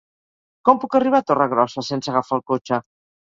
Com puc arribar a Torregrossa sense agafar el cotxe?